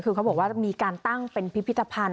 คือเขาบอกว่ามีการตั้งเป็นพิพิธภัณฑ์